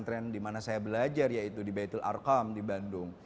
trend di mana saya belajar yaitu di baitul arkam di bandung